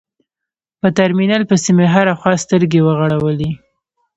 په ترمينل پسې مې هره خوا سترګې وغړولې.